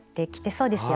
そうですね。